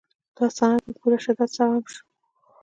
دا صنعت په پوره شدت سره عام شو